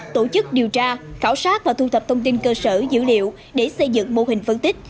tổ chức điều tra khảo sát và thu thập thông tin cơ sở dữ liệu để xây dựng mô hình phân tích